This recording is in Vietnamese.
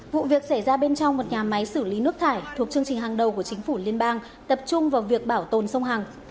vụ việc xảy ra bên trong một nhà máy xử lý nước thải thuộc chương trình hàng đầu của chính phủ liên bang tập trung vào việc bảo tồn sông hàng